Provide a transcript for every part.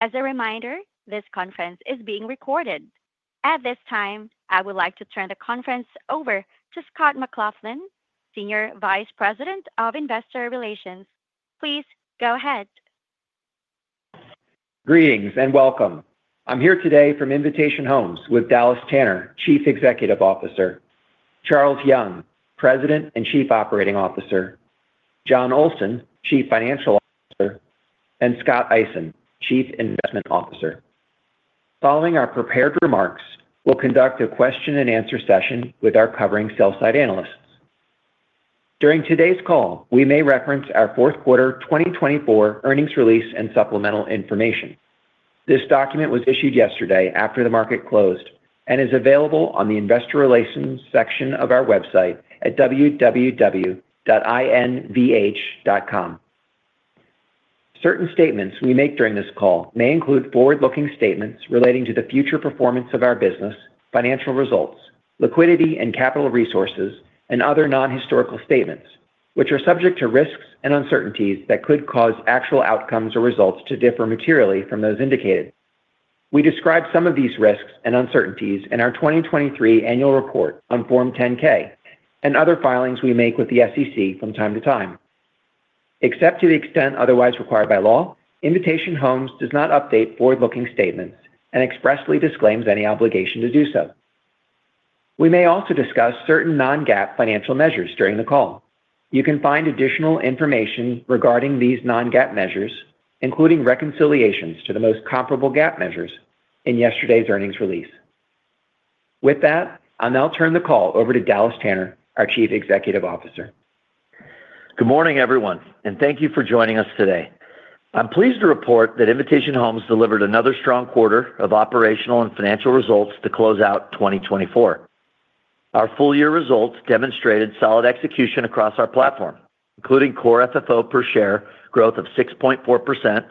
As a reminder, this conference is being recorded. At this time, I would like to turn the conference over to Scott McLaughlin, Senior Vice President of Investor Relations. Please go ahead. Greetings and welcome. I'm here today from Invitation Homes with Dallas Tanner, Chief Executive Officer, Charles Young, President and Chief Operating Officer, Jon Olsen, Chief Financial Officer, and Scott Eisen, Chief Investment Officer. Following our prepared remarks, we'll conduct a question-and-answer session with our covering sell-side analysts. During today's call, we may reference our fourth quarter 2024 earnings release and supplemental information. This document was issued yesterday after the market closed and is available on the Investor Relations section of our website at www.invh.com. Certain statements we make during this call may include forward-looking statements relating to the future performance of our business, financial results, liquidity and capital resources, and other non-historical statements, which are subject to risks and uncertainties that could cause actual outcomes or results to differ materially from those indicated. We describe some of these risks and uncertainties in our 2023 annual report on Form 10-K and other filings we make with the SEC from time to time. Except to the extent otherwise required by law, Invitation Homes does not update forward-looking statements and expressly disclaims any obligation to do so. We may also discuss certain non-GAAP financial measures during the call. You can find additional information regarding these non-GAAP measures, including reconciliations to the most comparable GAAP measures, in yesterday's earnings release. With that, I'll now turn the call over to Dallas Tanner, our Chief Executive Officer. Good morning, everyone, and thank you for joining us today. I'm pleased to report that Invitation Homes delivered another strong quarter of operational and financial results to close out 2024. Our full-year results demonstrated solid execution across our platform, including Core FFO per share growth of 6.4%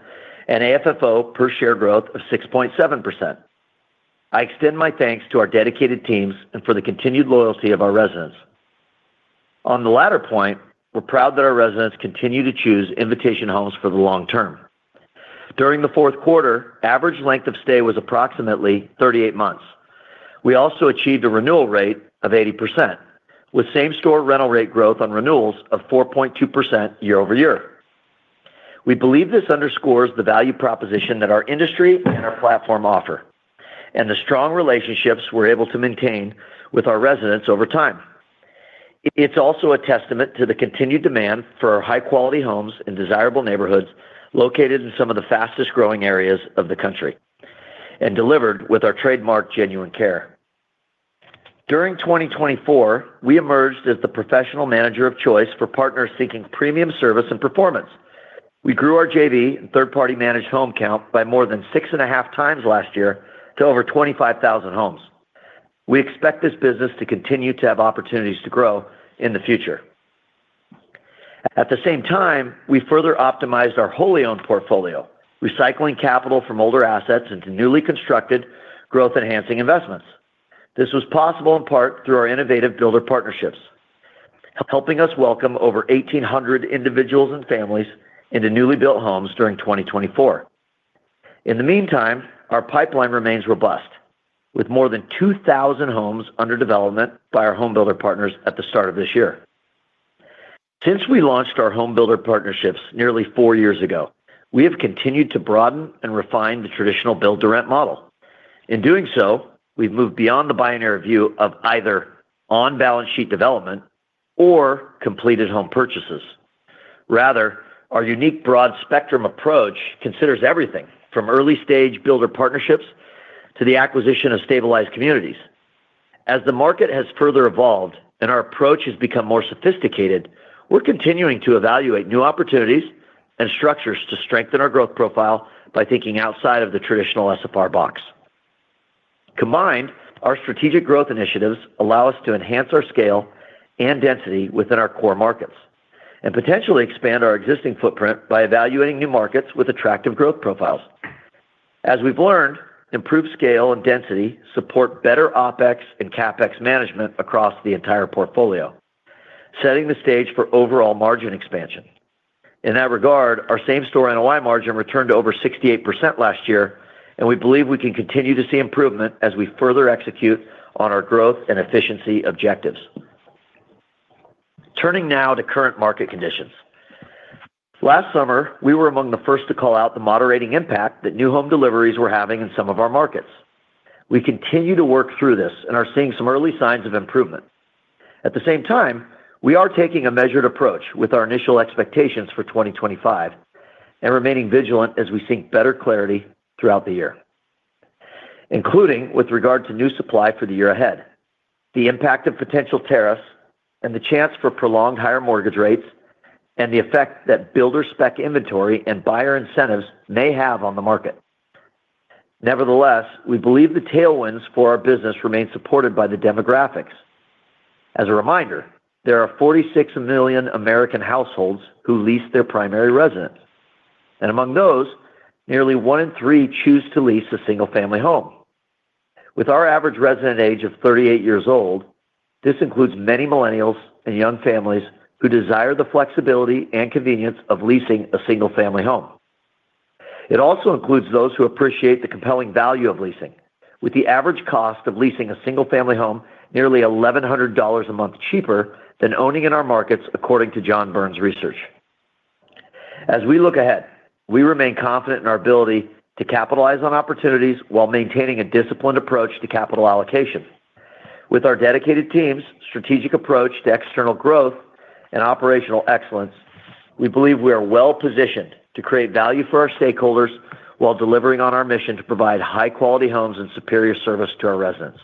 and AFFO per share growth of 6.7%. I extend my thanks to our dedicated teams and for the continued loyalty of our residents. On the latter point, we're proud that our residents continue to choose Invitation Homes for the long term. During the fourth quarter, average length of stay was approximately 38 months. We also achieved a renewal rate of 80%, with same-store rental rate growth on renewals of 4.2% year over year. We believe this underscores the value proposition that our industry and our platform offer, and the strong relationships we're able to maintain with our residents over time. It's also a testament to the continued demand for high-quality homes in desirable neighborhoods located in some of the fastest-growing areas of the country, and delivered with our trademark genuine care. During 2024, we emerged as the professional manager of choice for partners seeking premium service and performance. We grew our JV and third-party managed home count by more than six and a half times last year to over 25,000 homes. We expect this business to continue to have opportunities to grow in the future. At the same time, we further optimized our wholly-owned portfolio, recycling capital from older assets into newly constructed, growth-enhancing investments. This was possible in part through our innovative builder partnerships, helping us welcome over 1,800 individuals and families into newly built homes during 2024. In the meantime, our pipeline remains robust, with more than 2,000 homes under development by our home builder partners at the start of this year. Since we launched our home builder partnerships nearly four years ago, we have continued to broaden and refine the traditional build-to-rent model. In doing so, we've moved beyond the binary view of either on-balance sheet development or completed home purchases. Rather, our unique broad-spectrum approach considers everything from early-stage builder partnerships to the acquisition of stabilized communities. As the market has further evolved and our approach has become more sophisticated, we're continuing to evaluate new opportunities and structures to strengthen our growth profile by thinking outside of the traditional SFR box. Combined, our strategic growth initiatives allow us to enhance our scale and density within our core markets, and potentially expand our existing footprint by evaluating new markets with attractive growth profiles. As we've learned, improved scale and density support better OPEX and CAPEX management across the entire portfolio, setting the stage for overall margin expansion. In that regard, our same-store NOI margin returned to over 68% last year, and we believe we can continue to see improvement as we further execute on our growth and efficiency objectives. Turning now to current market conditions. Last summer, we were among the first to call out the moderating impact that new home deliveries were having in some of our markets. We continue to work through this and are seeing some early signs of improvement. At the same time, we are taking a measured approach with our initial expectations for 2025 and remaining vigilant as we seek better clarity throughout the year, including with regard to new supply for the year ahead, the impact of potential tariffs, and the chance for prolonged higher mortgage rates, and the effect that builder-spec inventory and buyer incentives may have on the market. Nevertheless, we believe the tailwinds for our business remain supported by the demographics. As a reminder, there are 46 million American households who lease their primary residence, and among those, nearly one in three choose to lease a single-family home. With our average resident age of 38 years old, this includes many millennials and young families who desire the flexibility and convenience of leasing a single-family home. It also includes those who appreciate the compelling value of leasing, with the average cost of leasing a single-family home nearly $1,100 a month cheaper than owning in our markets, according to John Burns' research. As we look ahead, we remain confident in our ability to capitalize on opportunities while maintaining a disciplined approach to capital allocation. With our dedicated teams, strategic approach to external growth, and operational excellence, we believe we are well-positioned to create value for our stakeholders while delivering on our mission to provide high-quality homes and superior service to our residents.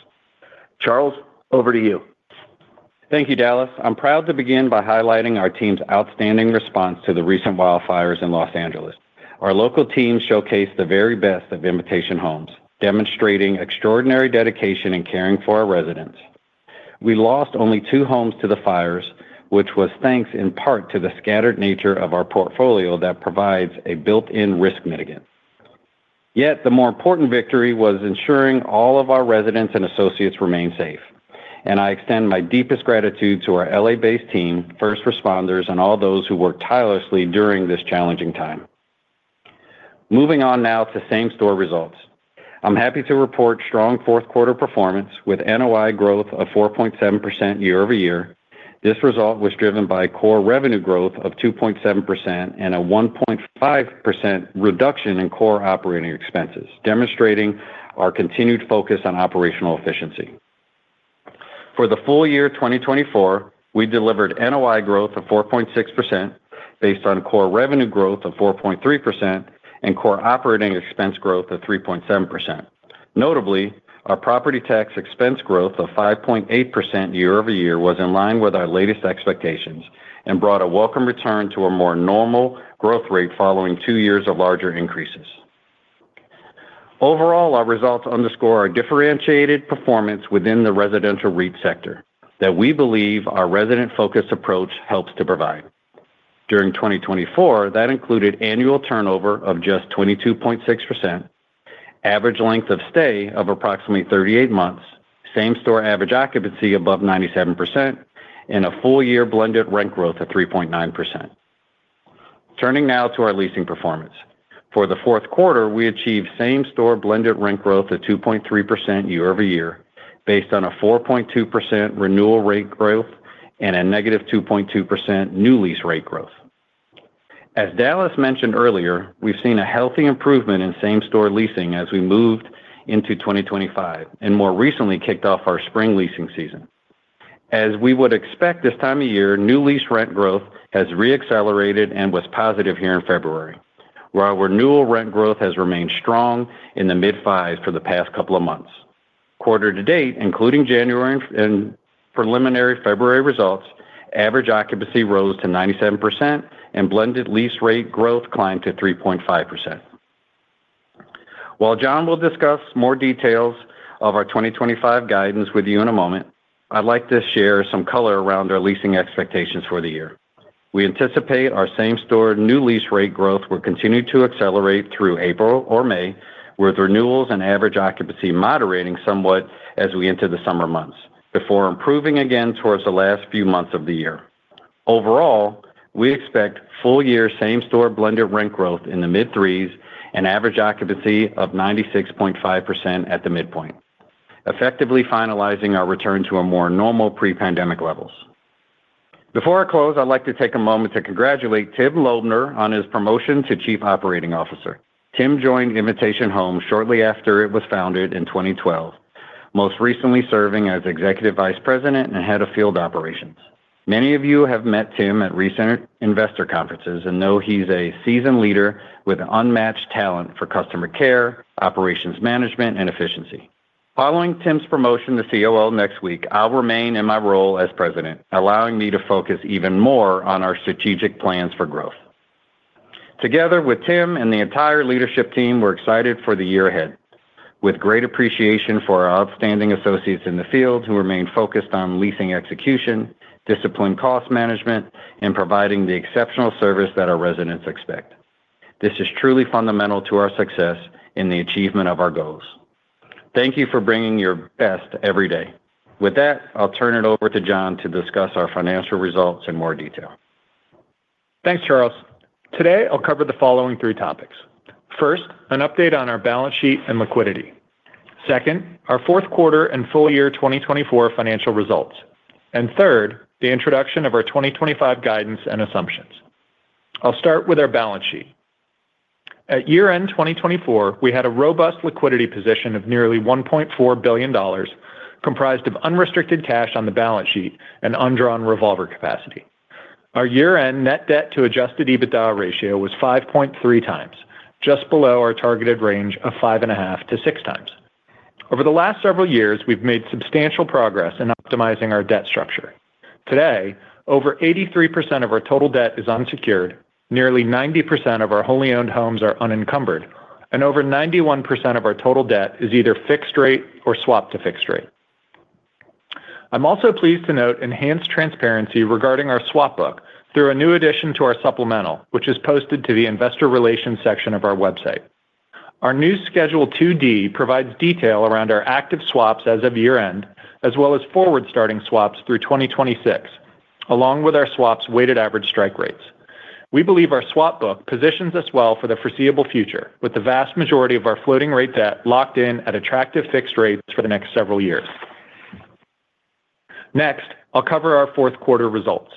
Charles, over to you. Thank you, Dallas. I'm proud to begin by highlighting our team's outstanding response to the recent wildfires in Los Angeles. Our local team showcased the very best of Invitation Homes, demonstrating extraordinary dedication and caring for our residents. We lost only two homes to the fires, which was thanks in part to the scattered nature of our portfolio that provides a built-in risk mitigant. Yet, the more important victory was ensuring all of our residents and associates remain safe, and I extend my deepest gratitude to our LA-based team, first responders, and all those who worked tirelessly during this challenging time. Moving on now to same-store results, I'm happy to report strong fourth-quarter performance with NOI growth of 4.7% year over year. This result was driven by core revenue growth of 2.7% and a 1.5% reduction in core operating expenses, demonstrating our continued focus on operational efficiency. For the full year 2024, we delivered NOI growth of 4.6% based on core revenue growth of 4.3% and core operating expense growth of 3.7%. Notably, our property tax expense growth of 5.8% year over year was in line with our latest expectations and brought a welcome return to a more normal growth rate following two years of larger increases. Overall, our results underscore our differentiated performance within the residential REIT sector that we believe our resident-focused approach helps to provide. During 2024, that included annual turnover of just 22.6%, average length of stay of approximately 38 months, same-store average occupancy above 97%, and a full-year blended rent growth of 3.9%. Turning now to our leasing performance. For the fourth quarter, we achieved same-store blended rent growth of 2.3% year over year based on a 4.2% renewal rate growth and a negative 2.2% new lease rate growth. As Dallas mentioned earlier, we've seen a healthy improvement in same-store leasing as we moved into 2025 and more recently kicked off our spring leasing season. As we would expect this time of year, new lease rent growth has re-accelerated and was positive here in February, while renewal rent growth has remained strong in the mid-5s for the past couple of months. Quarter to date, including January and preliminary February results, average occupancy rose to 97%, and blended lease rate growth climbed to 3.5%. While Jon will discuss more details of our 2025 guidance with you in a moment, I'd like to share some color around our leasing expectations for the year. We anticipate our same-store new lease rate growth will continue to accelerate through April or May, with renewals and average occupancy moderating somewhat as we enter the summer months, before improving again towards the last few months of the year. Overall, we expect full-year same-store blended rent growth in the mid-3s and average occupancy of 96.5% at the midpoint, effectively finalizing our return to our more normal pre-pandemic levels. Before I close, I'd like to take a moment to congratulate Tim Lobner on his promotion to Chief Operating Officer. Tim joined Invitation Homes shortly after it was founded in 2012, most recently serving as Executive Vice President and Head of Field Operations. Many of you have met Tim at recent investor conferences and know he's a seasoned leader with unmatched talent for customer care, operations management, and efficiency. Following Tim's promotion to COO next week, I'll remain in my role as President, allowing me to focus even more on our strategic plans for growth. Together with Tim and the entire leadership team, we're excited for the year ahead, with great appreciation for our outstanding associates in the field who remain focused on leasing execution, disciplined cost management, and providing the exceptional service that our residents expect. This is truly fundamental to our success in the achievement of our goals. Thank you for bringing your best every day. With that, I'll turn it over to Jon to discuss our financial results in more detail. Thanks, Charles. Today, I'll cover the following three topics. First, an update on our balance sheet and liquidity. Second, our fourth quarter and full year 2024 financial results. And third, the introduction of our 2025 guidance and assumptions. I'll start with our balance sheet. At year-end 2024, we had a robust liquidity position of nearly $1.4 billion, comprised of unrestricted cash on the balance sheet and undrawn revolver capacity. Our year-end net debt-to-Adjusted EBITDA ratio was 5.3 times, just below our targeted range of 5.5-6 times. Over the last several years, we've made substantial progress in optimizing our debt structure. Today, over 83% of our total debt is unsecured, nearly 90% of our wholly-owned homes are unencumbered, and over 91% of our total debt is either fixed rate or swapped to fixed rate. I'm also pleased to note enhanced transparency regarding our swap book through a new addition to our supplemental, which is posted to the investor relations section of our website. Our new Schedule 2D provides detail around our active swaps as of year-end, as well as forward-starting swaps through 2026, along with our swaps' weighted average strike rates. We believe our swap book positions us well for the foreseeable future, with the vast majority of our floating rate debt locked in at attractive fixed rates for the next several years. Next, I'll cover our fourth quarter results.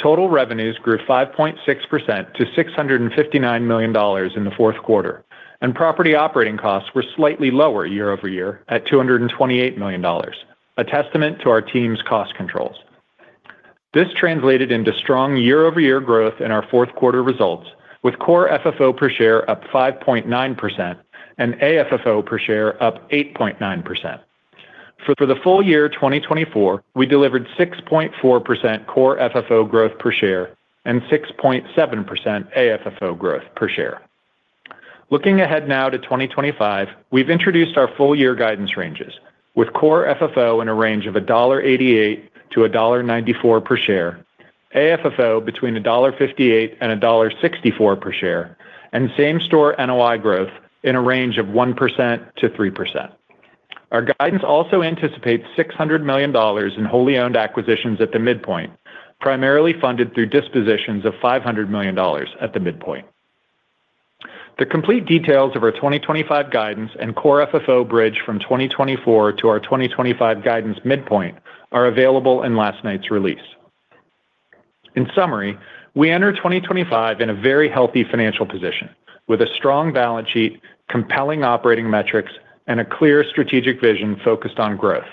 Total revenues grew 5.6% to $659 million in the fourth quarter, and property operating costs were slightly lower year over year at $228 million, a testament to our team's cost controls. This translated into strong year-over-year growth in our fourth quarter results, with Core FFO per share up 5.9% and AFFO per share up 8.9%. For the full year 2024, we delivered 6.4% Core FFO growth per share and 6.7% AFFO growth per share. Looking ahead now to 2025, we've introduced our full-year guidance ranges, with Core FFO in a range of $1.88-$1.94 per share, AFFO between $1.58 and $1.64 per share, and same-store NOI growth in a range of 1%-3%. Our guidance also anticipates $600 million in wholly-owned acquisitions at the midpoint, primarily funded through dispositions of $500 million at the midpoint. The complete details of our 2025 guidance and Core FFO bridge from 2024 to our 2025 guidance midpoint are available in last night's release. In summary, we enter 2025 in a very healthy financial position, with a strong balance sheet, compelling operating metrics, and a clear strategic vision focused on growth.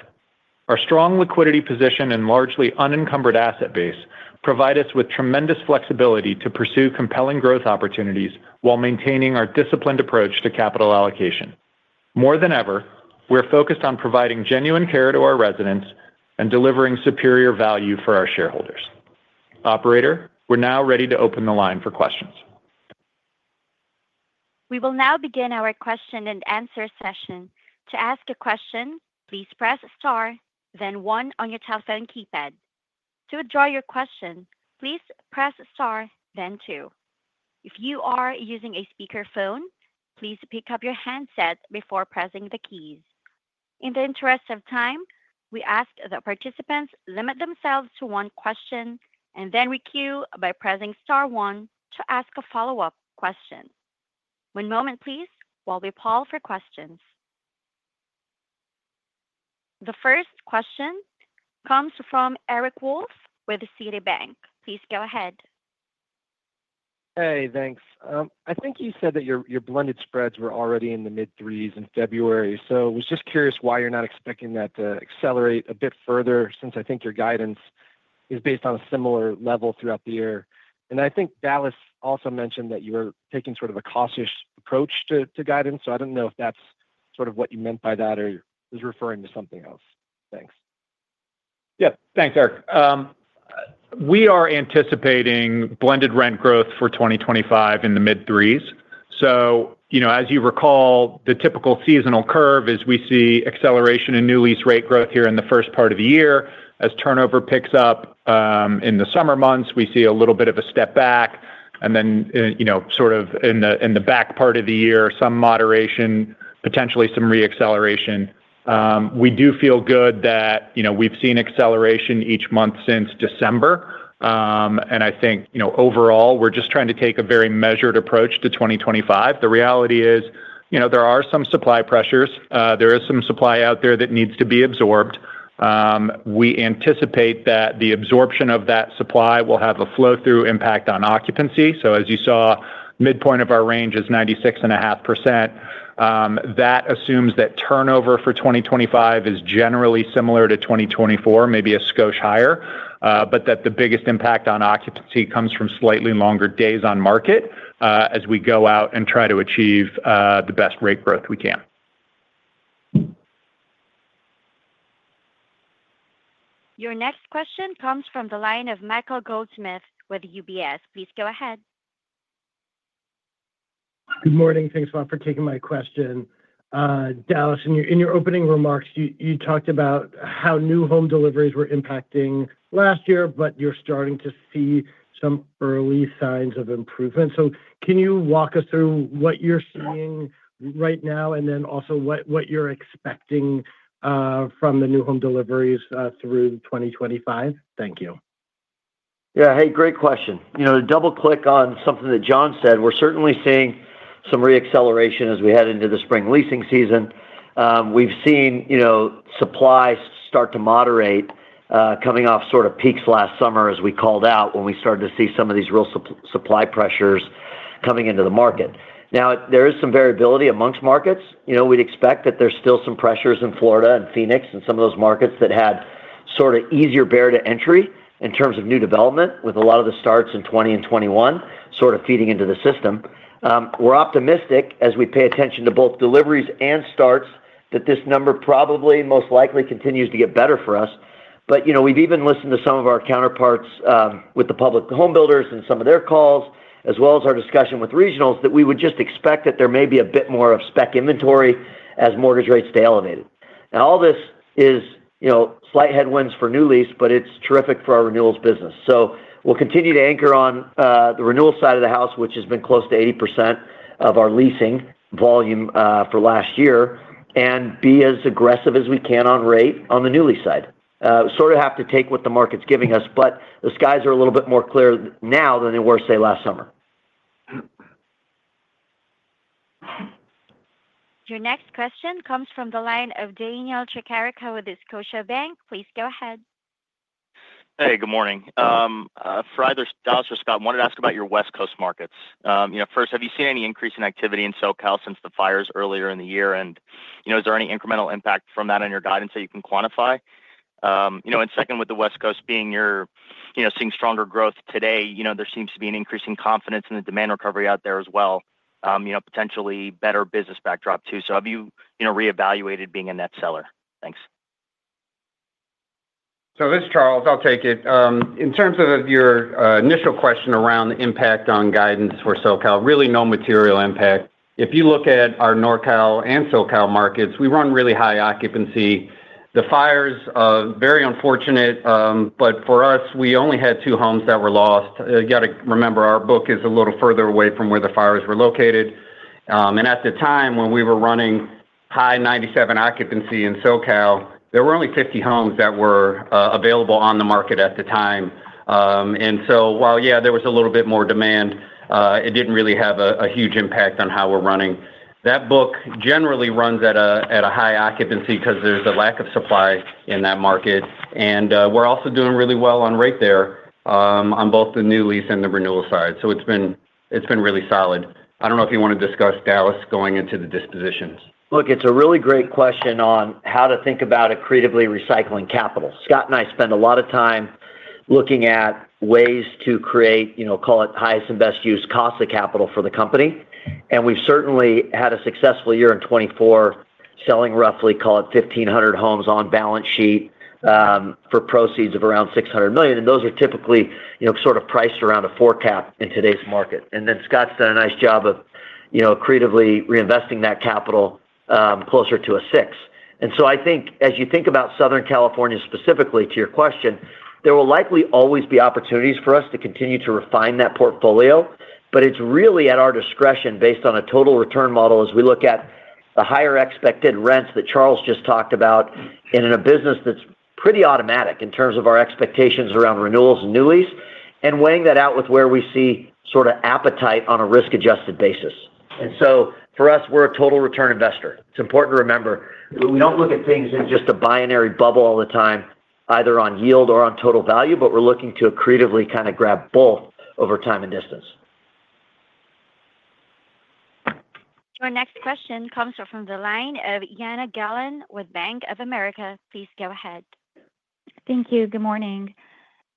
Our strong liquidity position and largely unencumbered asset base provide us with tremendous flexibility to pursue compelling growth opportunities while maintaining our disciplined approach to capital allocation. More than ever, we're focused on providing genuine care to our residents and delivering superior value for our shareholders. Operator, we're now ready to open the line for questions. We will now begin our question-and-answer session. To ask a question, please press star, then one on your touchpad and keypad. To withdraw your question, please press star, then two. If you are using a speakerphone, please pick up your handset before pressing the keys. In the interest of time, we ask that participants limit themselves to one question and then requeue by pressing star one to ask a follow-up question. One moment, please, while we poll for questions. The first question comes from Eric Wolfe with Citigroup. Please go ahead. Hey, thanks. I think you said that your blended spreads were already in the mid-3s in February, so I was just curious why you're not expecting that to accelerate a bit further since I think your guidance is based on a similar level throughout the year, and I think Dallas also mentioned that you were taking sort of a cautious approach to guidance, so I don't know if that's sort of what you meant by that or was referring to something else. Thanks. Yeah, thanks, Eric. We are anticipating blended rent growth for 2025 in the mid-3s. So, as you recall, the typical seasonal curve is we see acceleration in new lease rate growth here in the first part of the year. As turnover picks up in the summer months, we see a little bit of a step back, and then sort of in the back part of the year, some moderation, potentially some re-acceleration. We do feel good that we've seen acceleration each month since December, and I think overall, we're just trying to take a very measured approach to 2025. The reality is there are some supply pressures. There is some supply out there that needs to be absorbed. We anticipate that the absorption of that supply will have a flow-through impact on occupancy. So, as you saw, midpoint of our range is 96.5%. That assumes that turnover for 2025 is generally similar to 2024, maybe a skosh higher, but that the biggest impact on occupancy comes from slightly longer days on market as we go out and try to achieve the best rate growth we can. Your next question comes from the line of Michael Goldsmith with UBS. Please go ahead. Good morning. Thanks a lot for taking my question. Dallas, in your opening remarks, you talked about how new home deliveries were impacting last year, but you're starting to see some early signs of improvement. So, can you walk us through what you're seeing right now and then also what you're expecting from the new home deliveries through 2025? Thank you. Yeah, hey, great question. To double-click on something that Jon said, we're certainly seeing some re-acceleration as we head into the spring leasing season. We've seen supply start to moderate coming off sort of peaks last summer, as we called out when we started to see some of these real supply pressures coming into the market. Now, there is some variability among markets. We'd expect that there's still some pressures in Florida and Phoenix and some of those markets that had sort of easier barrier to entry in terms of new development, with a lot of the starts in 2020 and 2021 sort of feeding into the system. We're optimistic as we pay attention to both deliveries and starts that this number probably most likely continues to get better for us. But we've even listened to some of our counterparts with the public homebuilders and some of their calls, as well as our discussion with regionals, that we would just expect that there may be a bit more of spec inventory as mortgage rates stay elevated. Now, all this is slight headwinds for new lease, but it's terrific for our renewals business. So, we'll continue to anchor on the renewal side of the house, which has been close to 80% of our leasing volume for last year, and be as aggressive as we can on rate on the new lease side. Sort of have to take what the market's giving us, but the skies are a little bit more clear now than they were, say, last summer. Your next question comes from the line of Daniel Tricarico with Scotiabank. Please go ahead. Hey, good morning. For either Dallas or Scott, I wanted to ask about your West Coast markets. First, have you seen any increase in activity in SoCal since the fires earlier in the year? And is there any incremental impact from that on your guidance that you can quantify? And second, with the West Coast being you're seeing stronger growth today, there seems to be an increasing confidence in the demand recovery out there as well, potentially better business backdrop too, so have you reevaluated being a net seller? Thanks. So, this is Charles. I'll take it. In terms of your initial question around the impact on guidance for SoCal, really no material impact. If you look at our NorCal and SoCal markets, we run really high occupancy. The fires are very unfortunate, but for us, we only had two homes that were lost. You got to remember our book is a little further away from where the fires were located. And at the time when we were running high 97% occupancy in SoCal, there were only 50 homes that were available on the market at the time. And so, while yeah, there was a little bit more demand, it didn't really have a huge impact on how we're running. That book generally runs at a high occupancy because there's a lack of supply in that market. We're also doing really well on rate there on both the new lease and the renewal side. So, it's been really solid. I don't know if you want to discuss Dallas going into the dispositions. Look, it's a really great question on how to think about accretively recycling capital. Scott and I spend a lot of time looking at ways to create, call it highest and best use cost of capital for the company. We've certainly had a successful year in 2024 selling roughly, call it 1,500 homes on balance sheet for proceeds of around $600 million. Those are typically sort of priced around a four cap in today's market. Scott's done a nice job of accretively reinvesting that capital closer to a six. I think as you think about Southern California specifically to your question, there will likely always be opportunities for us to continue to refine that portfolio, but it's really at our discretion based on a total return model as we look at the higher expected rents that Charles just talked about in a business that's pretty automatic in terms of our expectations around renewals and new lease and weighing that out with where we see sort of appetite on a risk-adjusted basis. For us, we're a total return investor. It's important to remember that we don't look at things in just a binary bubble all the time, either on yield or on total value, but we're looking to accretively kind of grab both over time and distance. Your next question comes from the line of Jana Galan with Bank of America. Please go ahead. Thank you. Good morning.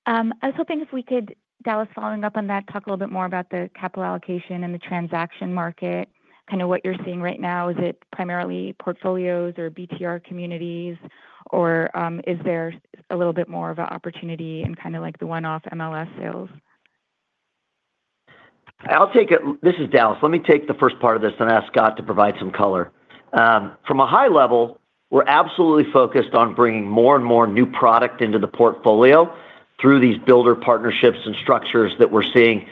I was hoping if we could, Dallas, following up on that, talk a little bit more about the capital allocation and the transaction market, kind of what you're seeing right now. Is it primarily portfolios or BTR communities, or is there a little bit more of an opportunity in kind of like the one-off MLS sales? This is Dallas. Let me take the first part of this and ask Scott to provide some color. From a high level, we're absolutely focused on bringing more and more new product into the portfolio through these builder partnerships and structures that we're seeing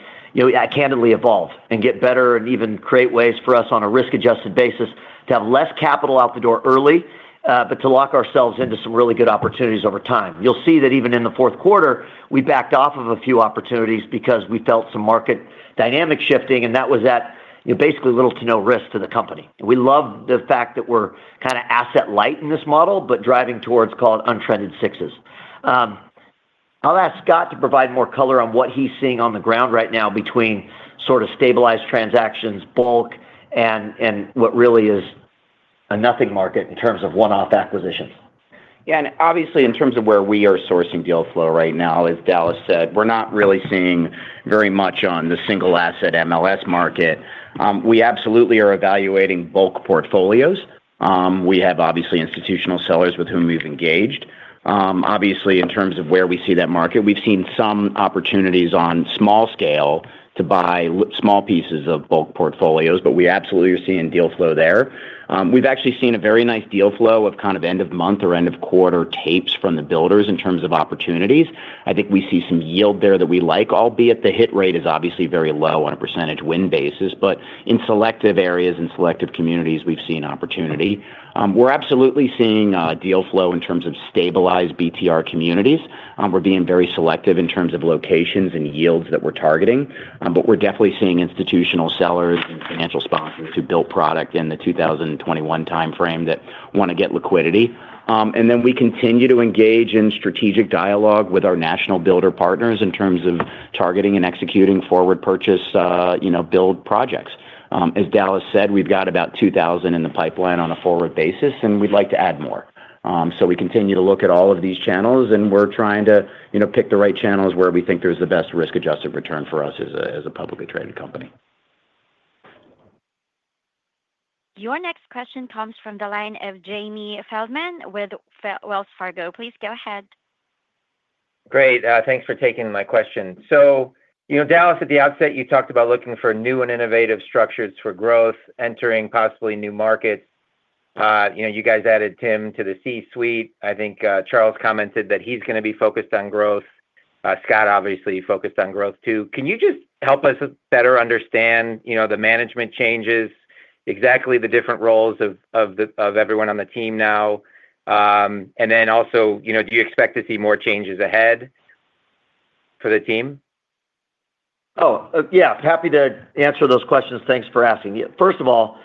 candidly evolve and get better and even create ways for us on a risk-adjusted basis to have less capital out the door early, but to lock ourselves into some really good opportunities over time. You'll see that even in the fourth quarter, we backed off of a few opportunities because we felt some market dynamic shifting, and that was at basically little to no risk to the company. We love the fact that we're kind of asset light in this model, but driving towards, call it untrended sixes. I'll ask Scott to provide more color on what he's seeing on the ground right now between sort of stabilized transactions, bulk, and what really is a nothing market in terms of one-off acquisitions. Yeah, and obviously in terms of where we are sourcing deal flow right now, as Dallas said, we're not really seeing very much on the single asset MLS market. We absolutely are evaluating bulk portfolios. We have obviously institutional sellers with whom we've engaged. Obviously, in terms of where we see that market, we've seen some opportunities on small scale to buy small pieces of bulk portfolios, but we absolutely are seeing deal flow there. We've actually seen a very nice deal flow of kind of end of month or end of quarter tapes from the builders in terms of opportunities. I think we see some yield there that we like, albeit the hit rate is obviously very low on a percentage win basis, but in selective areas and selective communities, we've seen opportunity. We're absolutely seeing deal flow in terms of stabilized BTR communities. We're being very selective in terms of locations and yields that we're targeting, but we're definitely seeing institutional sellers and financial sponsors who built product in the 2021 timeframe that want to get liquidity. And then we continue to engage in strategic dialogue with our national builder partners in terms of targeting and executing forward purchase build projects. As Dallas said, we've got about 2,000 in the pipeline on a forward basis, and we'd like to add more. So, we continue to look at all of these channels, and we're trying to pick the right channels where we think there's the best risk-adjusted return for us as a publicly traded company. Your next question comes from the line of Jamie Feldman with Wells Fargo. Please go ahead. Great. Thanks for taking my question. So, Dallas, at the outset, you talked about looking for new and innovative structures for growth, entering possibly new markets. You guys added Tim to the C-suite. I think Charles commented that he's going to be focused on growth. Scott, obviously, focused on growth too. Can you just help us better understand the management changes, exactly the different roles of everyone on the team now? And then also, do you expect to see more changes ahead for the team? Oh, yeah. Happy to answer those questions. Thanks for asking. First of all,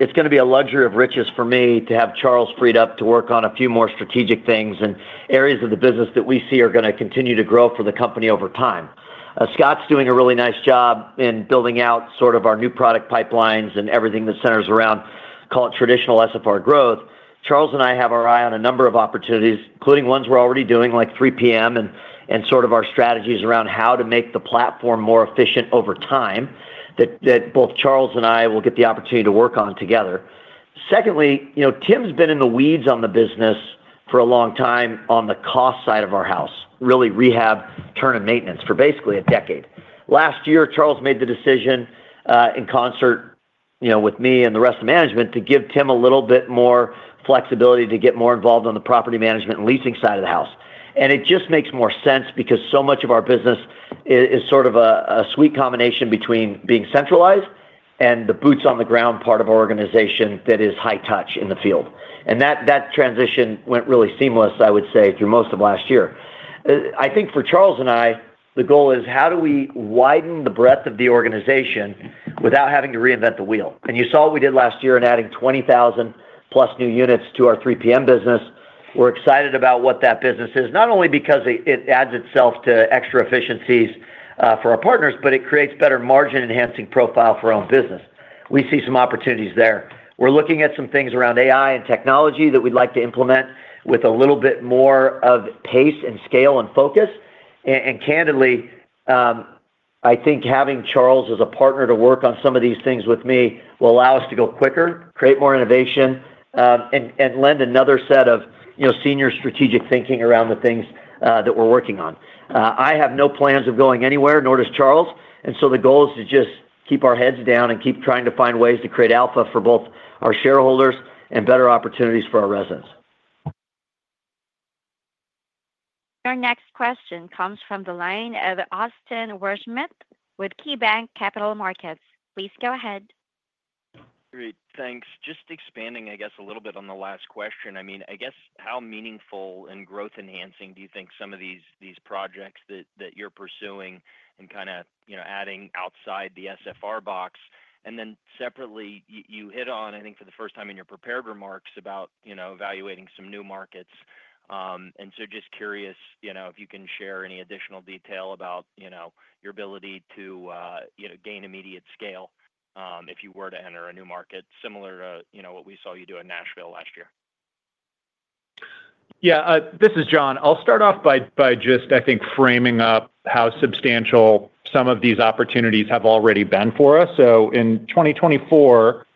it's going to be a luxury of riches for me to have Charles freed up to work on a few more strategic things and areas of the business that we see are going to continue to grow for the company over time. Scott's doing a really nice job in building out sort of our new product pipelines and everything that centers around, call it traditional SFR growth. Charles and I have our eye on a number of opportunities, including ones we're already doing like 3PM and sort of our strategies around how to make the platform more efficient over time that both Charles and I will get the opportunity to work on together. Secondly, Tim's been in the weeds on the business for a long time on the cost side of our house, really rehab, turn, and maintenance for basically a decade. Last year, Charles made the decision in concert with me and the rest of the management to give Tim a little bit more flexibility to get more involved on the property management and leasing side of the house. And it just makes more sense because so much of our business is sort of a sweet combination between being centralized and the boots-on-the-ground part of our organization that is high touch in the field. And that transition went really seamless, I would say, through most of last year. I think for Charles and I, the goal is how do we widen the breadth of the organization without having to reinvent the wheel? You saw what we did last year in adding 20,000 plus new units to our 3PM business. We're excited about what that business is, not only because it adds itself to extra efficiencies for our partners, but it creates better margin-enhancing profile for our own business. We see some opportunities there. We're looking at some things around AI and technology that we'd like to implement with a little bit more of pace and scale and focus. And candidly, I think having Charles as a partner to work on some of these things with me will allow us to go quicker, create more innovation, and lend another set of senior strategic thinking around the things that we're working on. I have no plans of going anywhere, nor does Charles. And so, the goal is to just keep our heads down and keep trying to find ways to create alpha for both our shareholders and better opportunities for our residents. Your next question comes from the line of Austin Wurschmidt with KeyBanc Capital Markets. Please go ahead. Great. Thanks. Just expanding, I guess, a little bit on the last question. I mean, I guess how meaningful and growth-enhancing do you think some of these projects that you're pursuing and kind of adding outside the SFR box? And then separately, you hit on, I think for the first time in your prepared remarks about evaluating some new markets. And so, just curious if you can share any additional detail about your ability to gain immediate scale if you were to enter a new market similar to what we saw you do in Nashville last year? Yeah. This is Jon. I'll start off by just, I think, framing up how substantial some of these opportunities have already been for us. So, in 2024,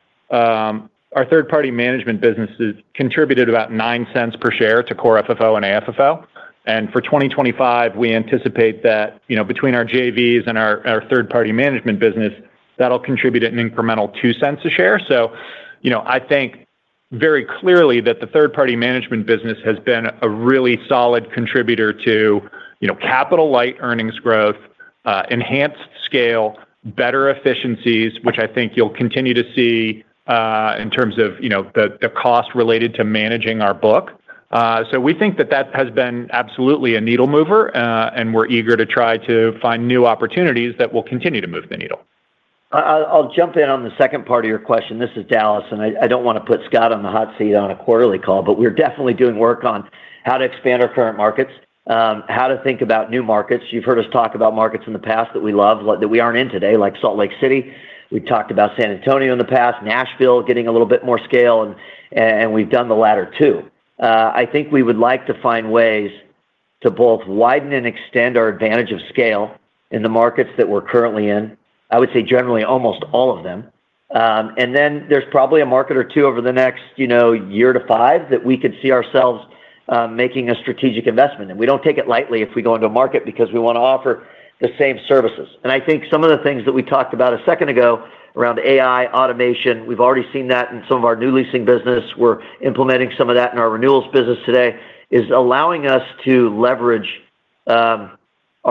our third-party management businesses contributed about $0.09 per share to Core FFO and AFFO. And for 2025, we anticipate that between our JVs and our third-party management business, that'll contribute an incremental $0.02 a share. So, I think very clearly that the third-party management business has been a really solid contributor to capital-light earnings growth, enhanced scale, better efficiencies, which I think you'll continue to see in terms of the cost related to managing our book. So, we think that that has been absolutely a needle mover, and we're eager to try to find new opportunities that will continue to move the needle. I'll jump in on the second part of your question. This is Dallas, and I don't want to put Scott on the hot seat on a quarterly call, but we're definitely doing work on how to expand our current markets, how to think about new markets. You've heard us talk about markets in the past that we love that we aren't in today, like Salt Lake City. We talked about San Antonio in the past, Nashville getting a little bit more scale, and we've done the latter too. I think we would like to find ways to both widen and extend our advantage of scale in the markets that we're currently in, I would say generally almost all of them, and then there's probably a market or two over the next year to five that we could see ourselves making a strategic investment. We don't take it lightly if we go into a market because we want to offer the same services. I think some of the things that we talked about a second ago around AI, automation, we've already seen that in some of our new leasing business. We're implementing some of that in our renewals business today, is allowing us to leverage our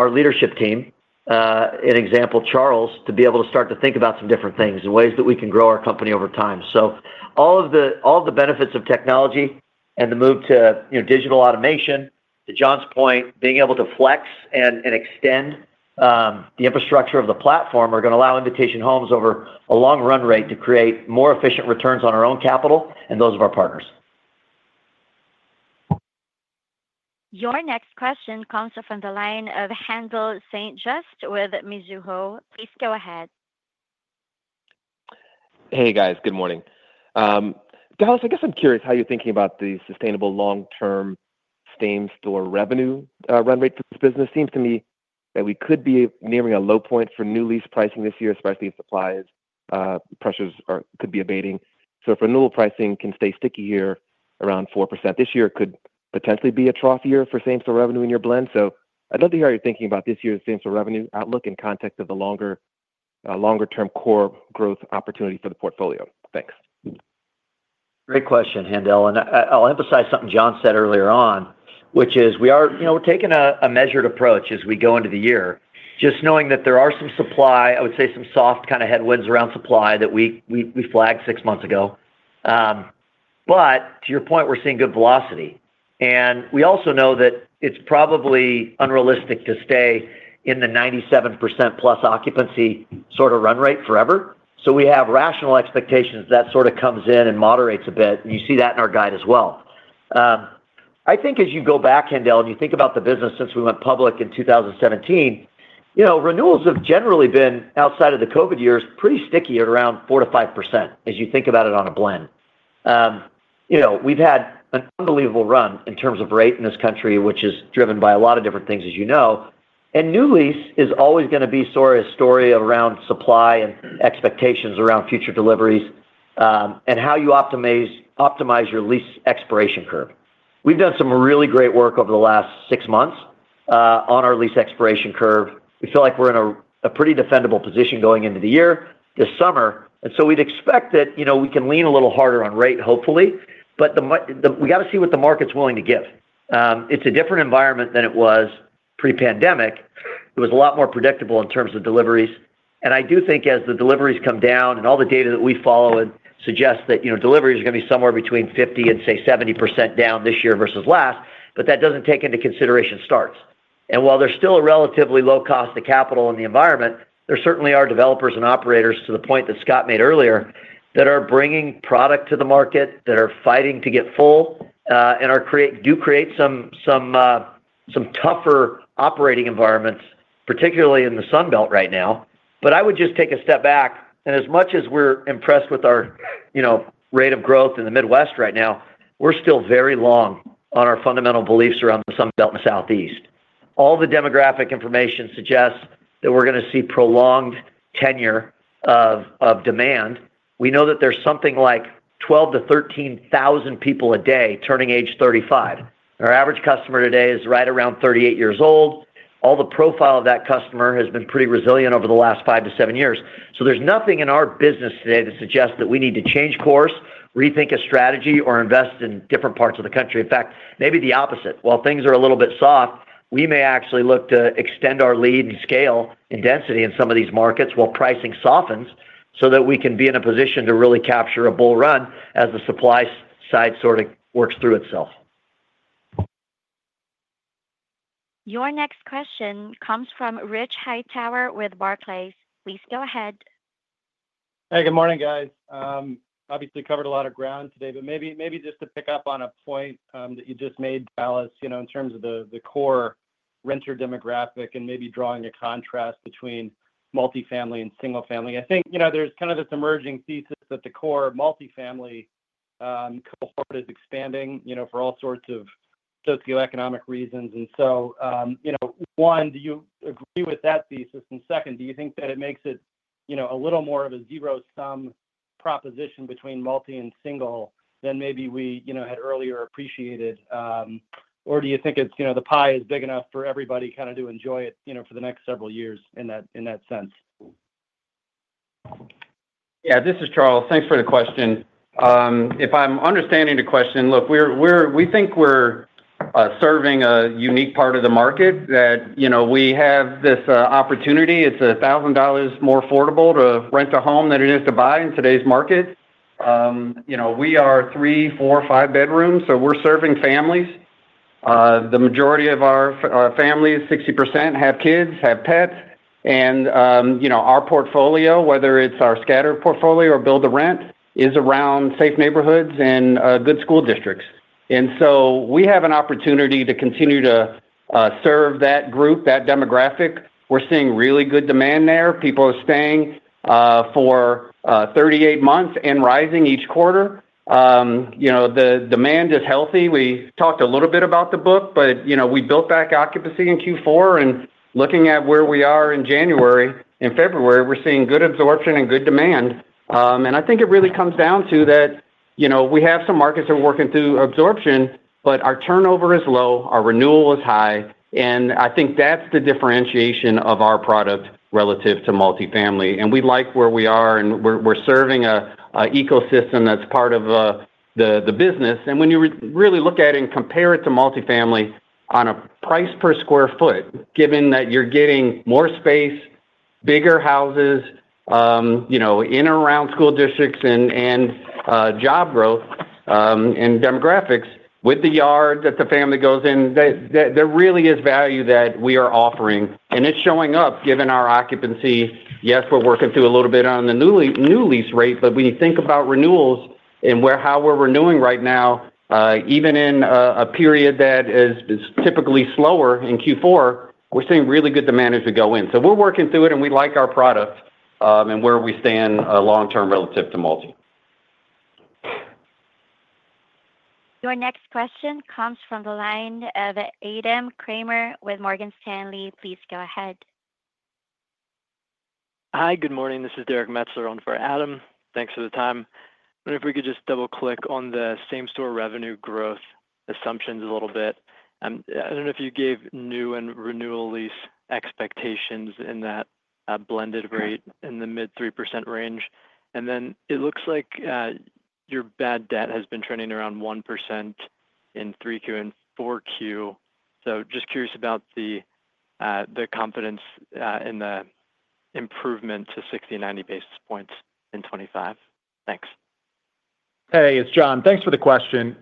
leadership team, an example, Charles, to be able to start to think about some different things and ways that we can grow our company over time. All of the benefits of technology and the move to digital automation, to Jon's point, being able to flex and extend the infrastructure of the platform are going to allow Invitation Homes over a long run rate to create more efficient returns on our own capital and those of our partners. Your next question comes from the line of Haendel St. Juste with Mizuho. Please go ahead. Hey, guys. Good morning. Dallas, I guess I'm curious how you're thinking about the sustainable long-term same-store revenue run rate for this business. Seems to me that we could be nearing a low point for new lease pricing this year, especially if supply pressures could be abating. So, if renewal pricing can stay sticky here around 4%, this year could potentially be a trough year for same-store revenue in your blend. So, I'd love to hear how you're thinking about this year's same-store revenue outlook in context of the longer-term core growth opportunity for the portfolio. Thanks. Great question, Haendel. And I'll emphasize something Jon said earlier on, which is we are taking a measured approach as we go into the year, just knowing that there are some supply, I would say some soft kind of headwinds around supply that we flagged six months ago. But to your point, we're seeing good velocity. And we also know that it's probably unrealistic to stay in the 97% plus occupancy sort of run rate forever. So, we have rational expectations that sort of comes in and moderates a bit. And you see that in our guide as well. I think as you go back, Haendel, and you think about the business since we went public in 2017, renewals have generally been outside of the COVID years pretty sticky at around 4%-5% as you think about it on a blend. We've had an unbelievable run in terms of rate in this country, which is driven by a lot of different things, as you know, and new lease is always going to be sort of a story around supply and expectations around future deliveries and how you optimize your lease expiration curve. We've done some really great work over the last six months on our lease expiration curve. We feel like we're in a pretty defendable position going into the year this summer, and so we'd expect that we can lean a little harder on rate, hopefully, but we got to see what the market's willing to give. It's a different environment than it was pre-pandemic. It was a lot more predictable in terms of deliveries. And I do think as the deliveries come down and all the data that we follow suggest that deliveries are going to be somewhere between 50% and, say, 70% down this year versus last, but that doesn't take into consideration starts. And while there's still a relatively low cost of capital and the environment, there certainly are developers and operators to the point that Scott made earlier that are bringing product to the market, that are fighting to get full, and do create some tougher operating environments, particularly in the Sunbelt right now. But I would just take a step back. And as much as we're impressed with our rate of growth in the Midwest right now, we're still very long on our fundamental beliefs around the Sunbelt and Southeast. All the demographic information suggests that we're going to see prolonged tenure of demand. We know that there's something like 12,000-13,000 people a day turning age 35. Our average customer today is right around 38 years old. All the profile of that customer has been pretty resilient over the last five to seven years. So, there's nothing in our business today that suggests that we need to change course, rethink a strategy, or invest in different parts of the country. In fact, maybe the opposite. While things are a little bit soft, we may actually look to extend our lead and scale and density in some of these markets while pricing softens so that we can be in a position to really capture a bull run as the supply side sort of works through itself. Your next question comes from Rich Hightower with Barclays. Please go ahead. Hey, good morning, guys. Obviously, covered a lot of ground today, but maybe just to pick up on a point that you just made, Dallas, in terms of the core renter demographic and maybe drawing a contrast between multifamily and single-family. I think there's kind of this emerging thesis that the core multifamily cohort is expanding for all sorts of socioeconomic reasons. And so, one, do you agree with that thesis? And second, do you think that it makes it a little more of a zero-sum proposition between multi and single than maybe we had earlier appreciated? Or do you think the pie is big enough for everybody kind of to enjoy it for the next several years in that sense? Yeah. This is Charles. Thanks for the question. If I'm understanding the question, look, we think we're serving a unique part of the market that we have this opportunity. It's $1,000 more affordable to rent a home than it is to buy in today's market. We are three, four, five-bedroom, so we're serving families. The majority of our families, 60%, have kids, have pets. And our portfolio, whether it's our scattered portfolio or build-to-rent, is around safe neighborhoods and good school districts. And so, we have an opportunity to continue to serve that group, that demographic. We're seeing really good demand there. People are staying for 38 months and rising each quarter. The demand is healthy. We talked a little bit about the book, but we built back occupancy in Q4. And looking at where we are in January and February, we're seeing good absorption and good demand. And I think it really comes down to that we have some markets that are working through absorption, but our turnover is low, our renewal is high. And I think that's the differentiation of our product relative to multifamily. And we like where we are, and we're serving an ecosystem that's part of the business. And when you really look at it and compare it to multifamily on a price per square foot, given that you're getting more space, bigger houses in and around school districts and job growth and demographics with the yard that the family goes in, there really is value that we are offering. And it's showing up given our occupancy. Yes, we're working through a little bit on the new lease rate, but when you think about renewals and how we're renewing right now, even in a period that is typically slower in Q4, we're seeing really good demand as we go in. So, we're working through it, and we like our product and where we stand long-term relative to multi. Your next question comes from the line of Adam Kramer with Morgan Stanley. Please go ahead. Hi, good morning. This is Derek Metzler on for Adam. Thanks for the time. I wonder if we could just double-click on the same-store revenue growth assumptions a little bit. I don't know if you gave new and renewal lease expectations in that blended rate in the mid-3% range. And then it looks like your bad debt has been trending around 1% in 3Q and 4Q. So, just curious about the confidence in the improvement to 60-90 basis points in 2025. Thanks. Hey, it's Jon. Thanks for the question.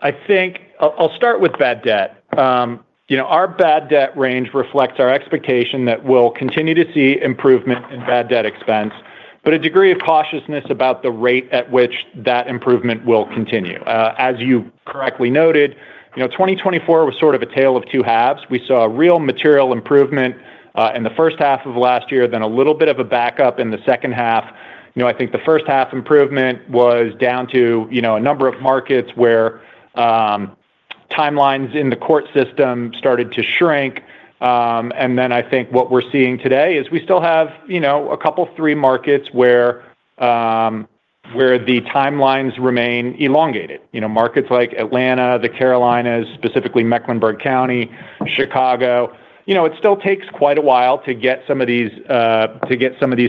I think I'll start with bad debt. Our bad debt range reflects our expectation that we'll continue to see improvement in bad debt expense, but a degree of cautiousness about the rate at which that improvement will continue. As you correctly noted, 2024 was sort of a tale of two halves. We saw a real material improvement in the first half of last year, then a little bit of a backup in the second half. I think the first half improvement was down to a number of markets where timelines in the court system started to shrink, and then I think what we're seeing today is we still have a couple of three markets where the timelines remain elongated. Markets like Atlanta, the Carolinas, specifically Mecklenburg County, Chicago, it still takes quite a while to get some of these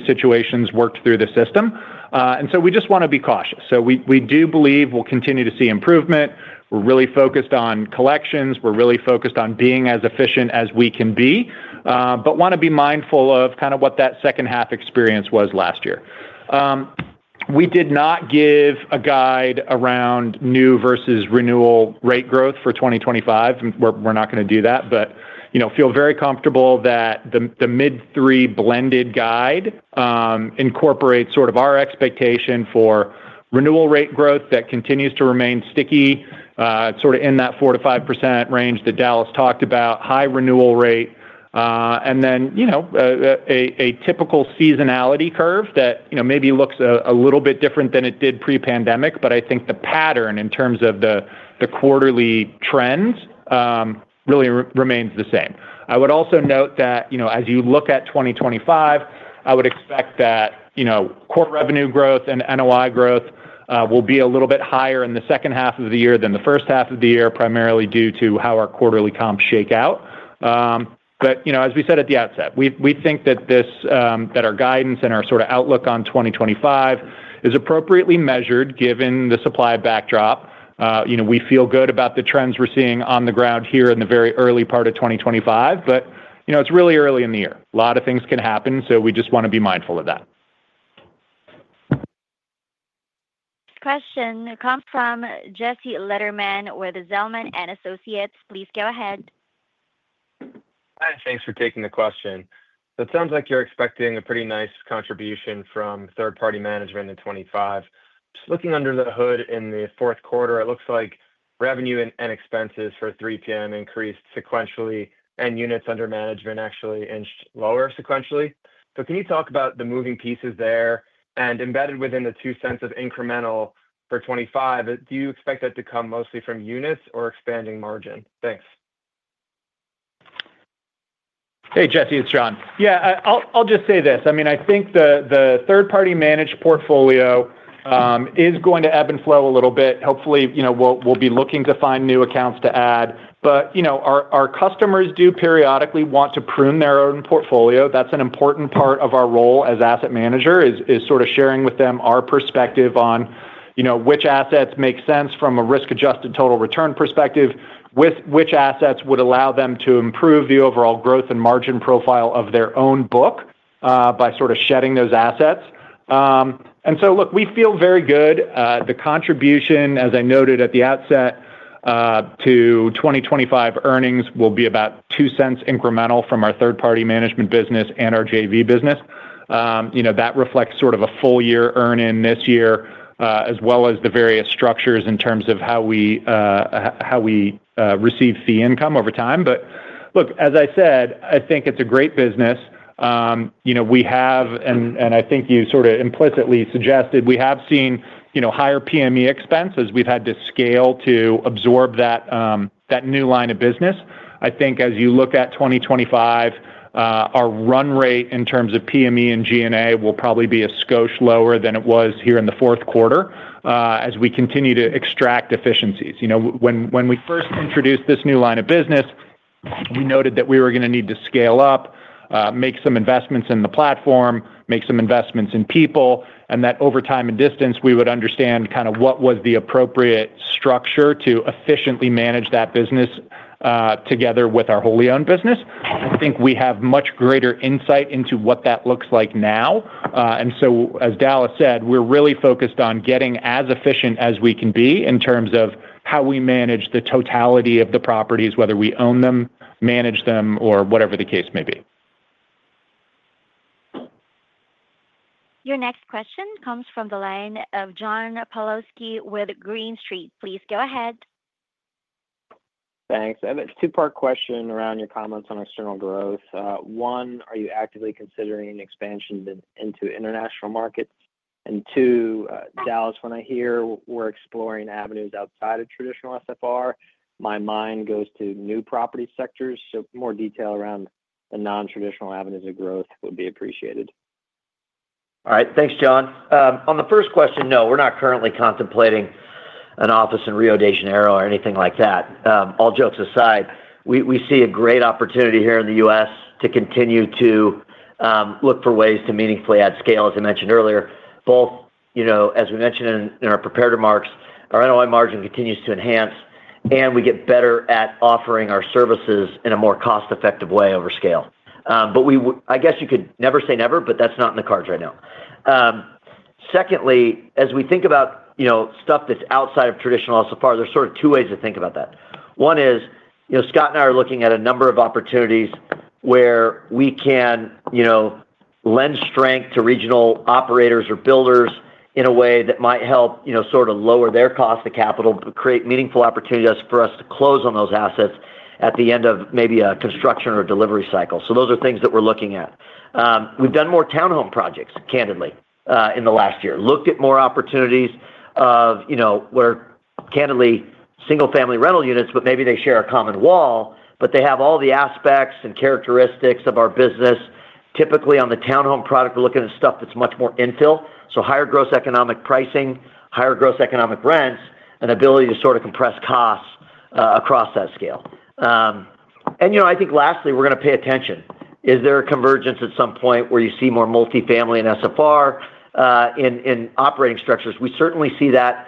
situations worked through the system, and so we just want to be cautious, so we do believe we'll continue to see improvement. We're really focused on collections. We're really focused on being as efficient as we can be, but want to be mindful of kind of what that second-half experience was last year. We did not give a guide around new versus renewal rate growth for 2025. We're not going to do that, but feel very comfortable that the mid-three blended guide incorporates sort of our expectation for renewal rate growth that continues to remain sticky sort of in that 4%-5% range that Dallas talked about, high renewal rate, and then a typical seasonality curve that maybe looks a little bit different than it did pre-pandemic. But I think the pattern in terms of the quarterly trends really remains the same. I would also note that as you look at 2025, I would expect that core revenue growth and NOI growth will be a little bit higher in the second half of the year than the first half of the year, primarily due to how our quarterly comps shake out. But as we said at the outset, we think that our guidance and our sort of outlook on 2025 is appropriately measured given the supply backdrop. We feel good about the trends we're seeing on the ground here in the very early part of 2025, but it's really early in the year. A lot of things can happen, so we just want to be mindful of that. Question comes from Jesse Lederman with Zelman & Associates. Please go ahead. Hi, thanks for taking the question. So, it sounds like you're expecting a pretty nice contribution from third-party management in 2025. Just looking under the hood in the fourth quarter, it looks like revenue and expenses for 3PM increased sequentially, and units under management actually inched lower sequentially. So, can you talk about the moving pieces there? And embedded within the $0.02 of incremental for 2025, do you expect that to come mostly from units or expanding margin? Thanks. Hey, Jesse, it's Jon. Yeah, I'll just say this. I mean, I think the third-party managed portfolio is going to ebb and flow a little bit. Hopefully, we'll be looking to find new accounts to add. Our customers do periodically want to prune their own portfolio. That's an important part of our role as asset manager is sort of sharing with them our perspective on which assets make sense from a risk-adjusted total return perspective, with which assets would allow them to improve the overall growth and margin profile of their own book by sort of shedding those assets. So, look, we feel very good. The contribution, as I noted at the outset, to 2025 earnings will be about $0.02 incremental from our third-party management business and our JV business. That reflects sort of a full-year earn-in this year, as well as the various structures in terms of how we receive fee income over time. But look, as I said, I think it's a great business. We have, and I think you sort of implicitly suggested, we have seen higher PME expense as we've had to scale to absorb that new line of business. I think as you look at 2025, our run rate in terms of PME and G&A will probably be a skosh lower than it was here in the fourth quarter as we continue to extract efficiencies. When we first introduced this new line of business, we noted that we were going to need to scale up, make some investments in the platform, make some investments in people, and that over time and distance, we would understand kind of what was the appropriate structure to efficiently manage that business together with our wholly-owned business. I think we have much greater insight into what that looks like now. And so, as Dallas said, we're really focused on getting as efficient as we can be in terms of how we manage the totality of the properties, whether we own them, manage them, or whatever the case may be. Your next question comes from the line of John Pawlowski with Green Street. Please go ahead. Thanks. I have a two-part question around your comments on external growth. One, are you actively considering expansion into international markets? And two, Dallas, when I hear we're exploring avenues outside of traditional SFR, my mind goes to new property sectors. So, more detail around the non-traditional avenues of growth would be appreciated. All right. Thanks, John. On the first question, no, we're not currently contemplating an office in Rio de Janeiro or anything like that. All jokes aside, we see a great opportunity here in the U.S. to continue to look for ways to meaningfully add scale, as I mentioned earlier. Both, as we mentioned in our prepared remarks, our NOI margin continues to enhance, and we get better at offering our services in a more cost-effective way over scale. But I guess you could never say never, but that's not in the cards right now. Secondly, as we think about stuff that's outside of traditional SFR, there's sort of two ways to think about that. One is Scott and I are looking at a number of opportunities where we can lend strength to regional operators or builders in a way that might help sort of lower their cost of capital, but create meaningful opportunities for us to close on those assets at the end of maybe a construction or delivery cycle. So, those are things that we're looking at. We've done more townhome projects, candidly, in the last year. Looked at more opportunities of where, candidly, single-family rental units, but maybe they share a common wall, but they have all the aspects and characteristics of our business. Typically, on the townhome product, we're looking at stuff that's much more infill. So, higher gross economic pricing, higher gross economic rents, and ability to sort of compress costs across that scale. And I think lastly, we're going to pay attention. Is there a convergence at some point where you see more multifamily in SFR in operating structures? We certainly see that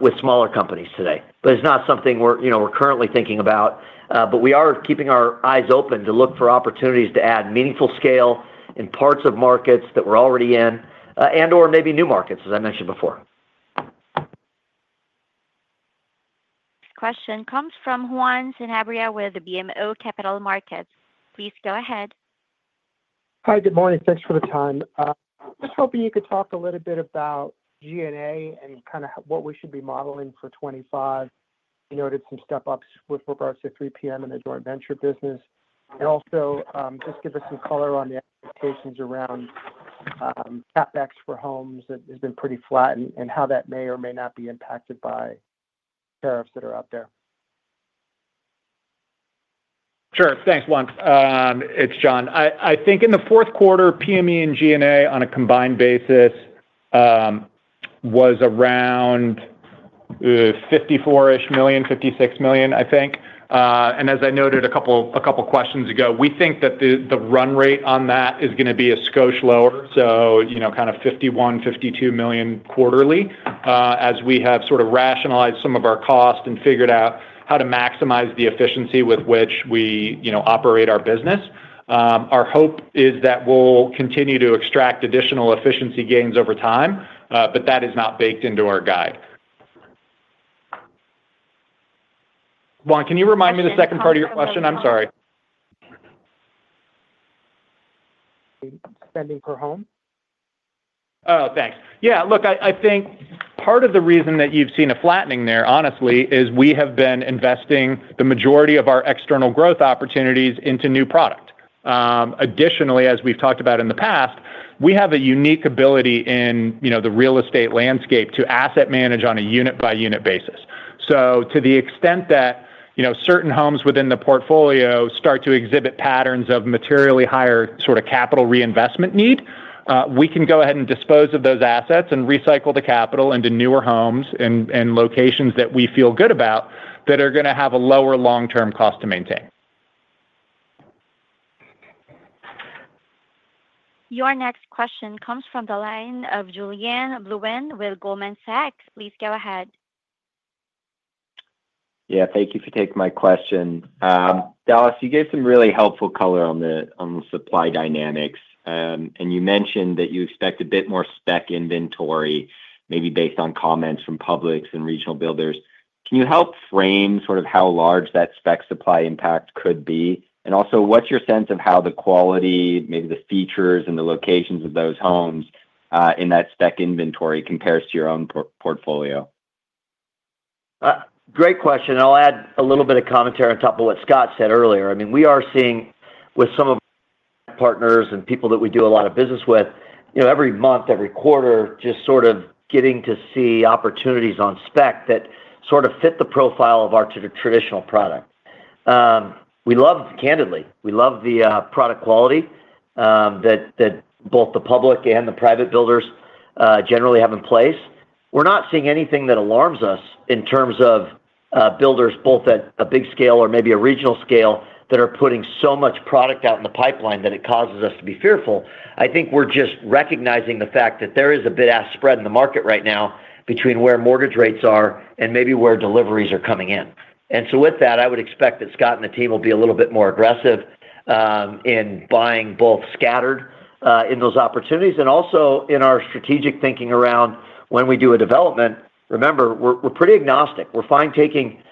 with smaller companies today, but it's not something we're currently thinking about. But we are keeping our eyes open to look for opportunities to add meaningful scale in parts of markets that we're already in and/or maybe new markets, as I mentioned before. Question comes from Juan Sanabria with BMO Capital Markets. Please go ahead. Hi, good morning. Thanks for the time. Just hoping you could talk a little bit about G&A and kind of what we should be modeling for 2025. You noted some step-ups with regards to 3PM and the joint venture business. And also, just give us some color on the expectations around CapEx for homes that has been pretty flat and how that may or may not be impacted by tariffs that are out there. Sure. Thanks, Juan. It's Jon. I think in the fourth quarter, PME and G&A on a combined basis was around $54-ish million, $56 million, I think. And as I noted a couple of questions ago, we think that the run rate on that is going to be a skosh lower. So, kind of $51, $52 million quarterly as we have sort of rationalized some of our costs and figured out how to maximize the efficiency with which we operate our business. Our hope is that we'll continue to extract additional efficiency gains over time, but that is not baked into our guide. Juan, can you remind me the second part of your question? I'm sorry. Spending per home? Oh, thanks. Yeah. Look, I think part of the reason that you've seen a flattening there, honestly, is we have been investing the majority of our external growth opportunities into new product. Additionally, as we've talked about in the past, we have a unique ability in the real estate landscape to asset manage on a unit-by-unit basis. So, to the extent that certain homes within the portfolio start to exhibit patterns of materially higher sort of capital reinvestment need, we can go ahead and dispose of those assets and recycle the capital into newer homes in locations that we feel good about that are going to have a lower long-term cost to maintain. Your next question comes from the line of Julien Blouin with Goldman Sachs. Please go ahead. Yeah. Thank you for taking my question. Dallas, you gave some really helpful color on the supply dynamics. And you mentioned that you expect a bit more spec inventory, maybe based on comments from public and regional builders. Can you help frame sort of how large that spec supply impact could be? And also, what's your sense of how the quality, maybe the features and the locations of those homes in that spec inventory compares to your own portfolio? Great question. I'll add a little bit of commentary on top of what Scott said earlier. I mean, we are seeing with some of our partners and people that we do a lot of business with, every month, every quarter, just sort of getting to see opportunities on spec that sort of fit the profile of our traditional product. We love, candidly, we love the product quality that both the public and the private builders generally have in place. We're not seeing anything that alarms us in terms of builders both at a big scale or maybe a regional scale that are putting so much product out in the pipeline that it causes us to be fearful. I think we're just recognizing the fact that there is a bit of spread in the market right now between where mortgage rates are and maybe where deliveries are coming in. And so, with that, I would expect that Scott and the team will be a little bit more aggressive in buying both scattered in those opportunities and also in our strategic thinking around when we do a development. Remember, we're pretty agnostic. We're fine taking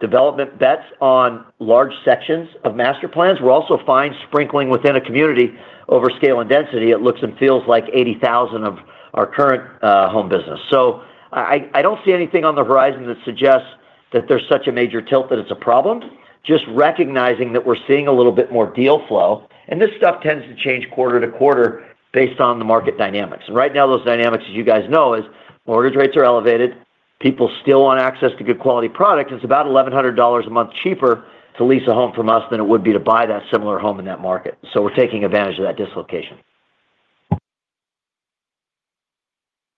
development bets on large sections of master plans. We're also fine sprinkling within a community over scale and density. It looks and feels like 80,000 of our current home business. So, I don't see anything on the horizon that suggests that there's such a major tilt that it's a problem. Just recognizing that we're seeing a little bit more deal flow. And this stuff tends to change quarter to quarter based on the market dynamics. And right now, those dynamics, as you guys know, is mortgage rates are elevated, people still want access to good quality products, and it's about $1,100 a month cheaper to lease a home from us than it would be to buy that similar home in that market. So, we're taking advantage of that dislocation.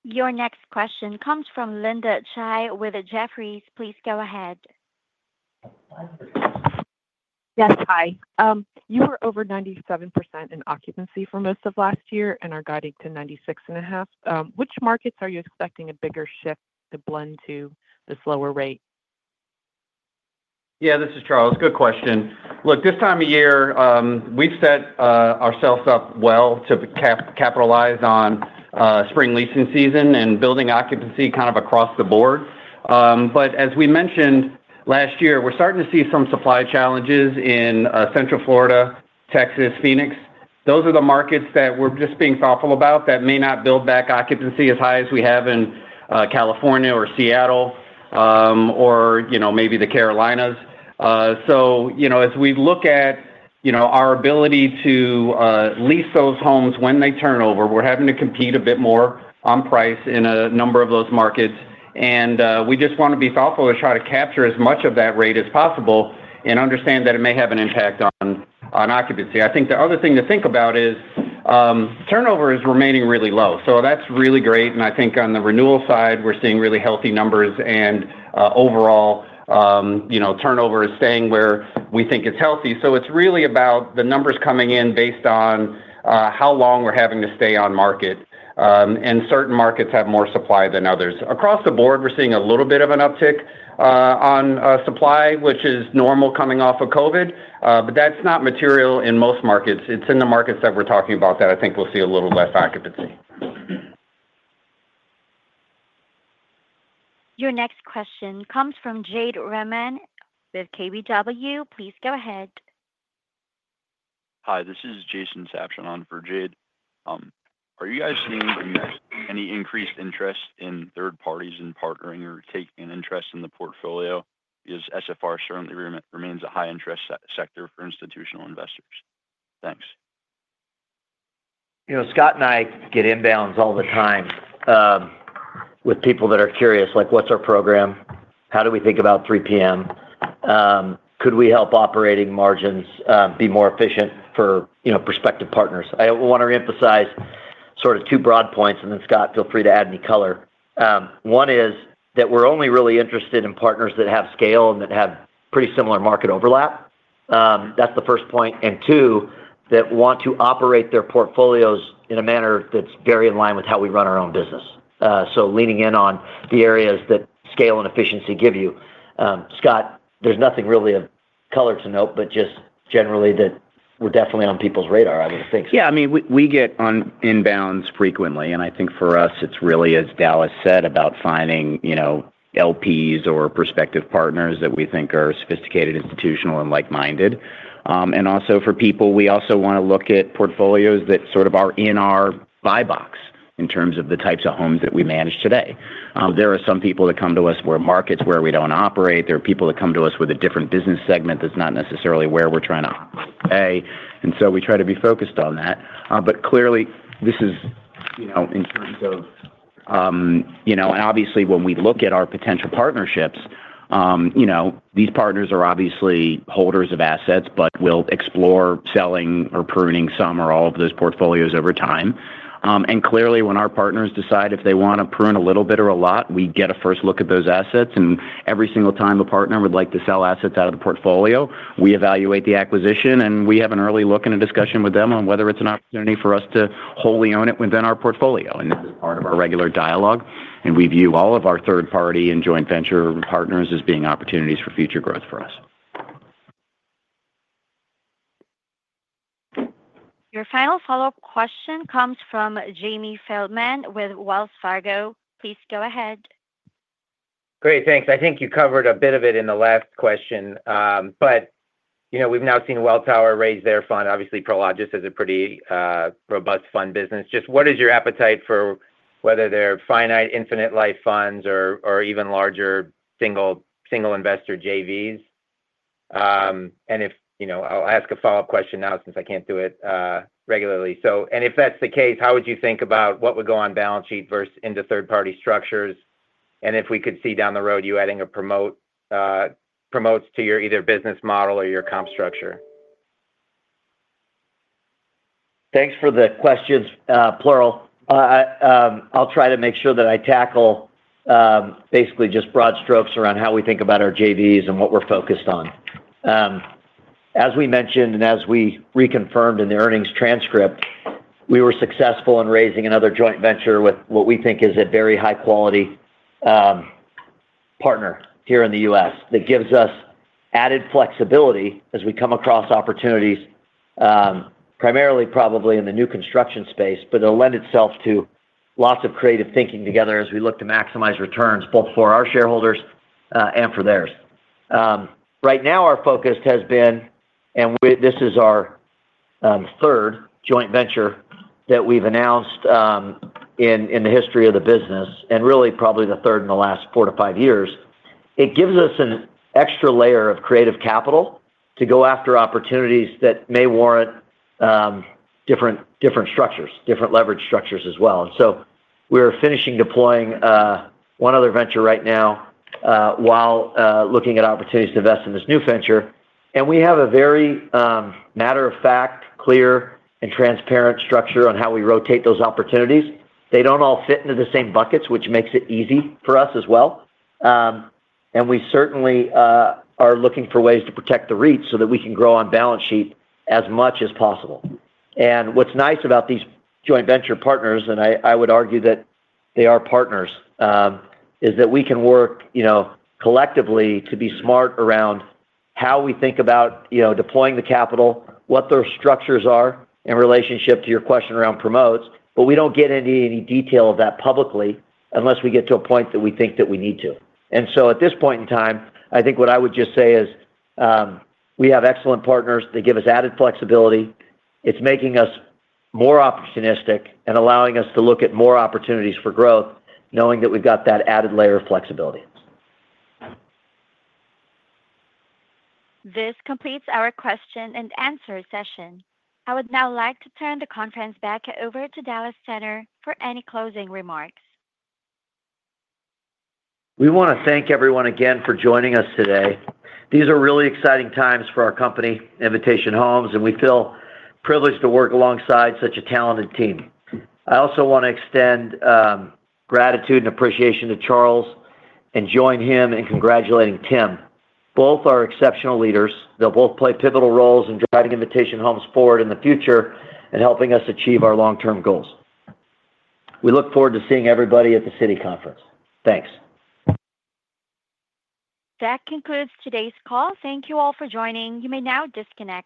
Your next question comes from Linda Tsai with Jefferies. Please go ahead. Yes, hi. You were over 97% in occupancy for most of last year and are guiding to 96.5%. Which markets are you expecting a bigger shift to blend to the slower rate? Yeah, this is Charles. Good question. Look, this time of year, we've set ourselves up well to capitalize on spring leasing season and building occupancy kind of across the board. But as we mentioned last year, we're starting to see some supply challenges in Central Florida, Texas, Phoenix. Those are the markets that we're just being thoughtful about that may not build back occupancy as high as we have in California or Seattle or maybe the Carolinas. So, as we look at our ability to lease those homes when they turn over, we're having to compete a bit more on price in a number of those markets. And we just want to be thoughtful to try to capture as much of that rate as possible and understand that it may have an impact on occupancy. I think the other thing to think about is turnover is remaining really low. So, that's really great. And I think on the renewal side, we're seeing really healthy numbers. And overall, turnover is staying where we think it's healthy. So, it's really about the numbers coming in based on how long we're having to stay on market. And certain markets have more supply than others. Across the board, we're seeing a little bit of an uptick on supply, which is normal coming off of COVID. But that's not material in most markets. It's in the markets that we're talking about that I think we'll see a little less occupancy. Your next question comes from Jade Rahmani with KBW. Please go ahead. Hi, this is Jason Sabshon for Jade. Are you guys seeing any increased interest in third parties in partnering or taking an interest in the portfolio? Because SFR certainly remains a high-interest sector for institutional investors. Thanks. Scott and I get inbounds all the time with people that are curious, like, "What's our program? How do we think about 3PM? Could we help operating margins be more efficient for prospective partners?" I want to reemphasize sort of two broad points, and then, Scott, feel free to add any color. One is that we're only really interested in partners that have scale and that have pretty similar market overlap. That's the first point, and two, that want to operate their portfolios in a manner that's very in line with how we run our own business. So, leaning in on the areas that scale and efficiency give you. Scott, there's nothing really of color to note, but just generally that we're definitely on people's radar, I would think. Yeah. I mean, we get inbounds frequently. I think for us, it's really, as Dallas said, about finding LPs or prospective partners that we think are sophisticated, institutional, and like-minded. Also, for people, we also want to look at portfolios that sort of are in our buy box in terms of the types of homes that we manage today. There are some people that come to us in markets where we don't operate. There are people that come to us with a different business segment that's not necessarily where we're trying to operate. So, we try to be focused on that. Clearly, this is in terms of, and obviously, when we look at our potential partnerships, these partners are obviously holders of assets, but we'll explore selling or pruning some or all of those portfolios over time. Clearly, when our partners decide if they want to prune a little bit or a lot, we get a first look at those assets. Every single time a partner would like to sell assets out of the portfolio, we evaluate the acquisition, and we have an early look and a discussion with them on whether it's an opportunity for us to wholly own it within our portfolio. This is part of our regular dialogue. We view all of our third-party and joint venture partners as being opportunities for future growth for us. Your final follow-up question comes from Jamie Feldman with Wells Fargo. Please go ahead. Great. Thanks. I think you covered a bit of it in the last question. But we've now seen Wells Fargo raise their fund, obviously, Prologis has a pretty robust fund business. Just what is your appetite for whether they're finite, infinite life funds or even larger single investor JVs? And I'll ask a follow-up question now since I can't do it regularly. So, and if that's the case, how would you think about what would go on balance sheet versus into third-party structures? And if we could see down the road, you adding or promote to your either business model or your comp structure? Thanks for the questions, plural. I'll try to make sure that I tackle basically just broad strokes around how we think about our JVs and what we're focused on. As we mentioned and as we reconfirmed in the earnings transcript, we were successful in raising another joint venture with what we think is a very high-quality partner here in the U.S. that gives us added flexibility as we come across opportunities, primarily probably in the new construction space, but it'll lend itself to lots of creative thinking together as we look to maximize returns both for our shareholders and for theirs. Right now, our focus has been, and this is our third joint venture that we've announced in the history of the business and really probably the third in the last four to five years. It gives us an extra layer of creative capital to go after opportunities that may warrant different structures, different leverage structures as well. And so, we're finishing deploying one other venture right now while looking at opportunities to invest in this new venture. And we have a very matter-of-fact, clear, and transparent structure on how we rotate those opportunities. They don't all fit into the same buckets, which makes it easy for us as well. And we certainly are looking for ways to protect the REITs so that we can grow on balance sheet as much as possible. And what's nice about these joint venture partners, and I would argue that they are partners, is that we can work collectively to be smart around how we think about deploying the capital, what those structures are in relationship to your question around promotes. But we don't get into any detail of that publicly unless we get to a point that we think that we need to. And so, at this point in time, I think what I would just say is we have excellent partners. They give us added flexibility. It's making us more opportunistic and allowing us to look at more opportunities for growth, knowing that we've got that added layer of flexibility. This completes our question and answer session. I would now like to turn the conference back over to Dallas Tanner for any closing remarks. We want to thank everyone again for joining us today. These are really exciting times for our company, Invitation Homes, and we feel privileged to work alongside such a talented team. I also want to extend gratitude and appreciation to Charles and join him in congratulating Tim. Both are exceptional leaders. They'll both play pivotal roles in driving Invitation Homes forward in the future and helping us achieve our long-term goals. We look forward to seeing everybody at the Citi Conference. Thanks. That concludes today's call. Thank you all for joining. You may now disconnect.